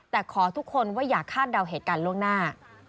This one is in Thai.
แต่ขอทุกคนว่าอย่าคาดเดาเหตุการณ์ล่วงหน้า